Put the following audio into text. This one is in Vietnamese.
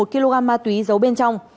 một kg ma túy giấu bên trong